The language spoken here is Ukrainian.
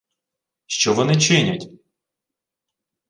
— Що вони чинять?